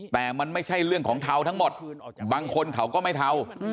แต่มันไม่ใช่เรื่องของเทาทั้งหมดบางคนเขาก็ไม่เทา